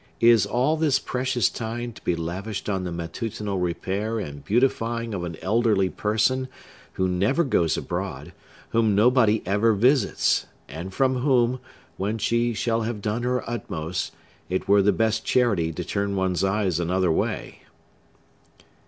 Is all this precious time to be lavished on the matutinal repair and beautifying of an elderly person, who never goes abroad, whom nobody ever visits, and from whom, when she shall have done her utmost, it were the best charity to turn one's eyes another way?